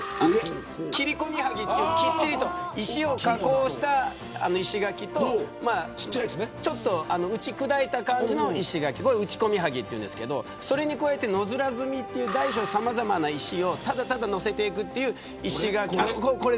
切込接というきっちりと石を加工した石垣とちょっと打ち砕いた感じのこれ、打込接というんですけど加えて野面積という大小さまざまな石をただただ載せていくという石垣。